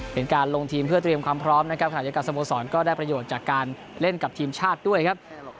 เป็นการลงทีมเพื่อเตรียมความพร้อมนะครับขณะเดียวกันสโมสรก็ได้ประโยชน์จากการเล่นกับทีมชาติด้วยครับ